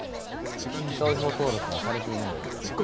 商標登録はされていないようですね。